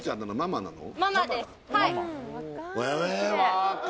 ママなの？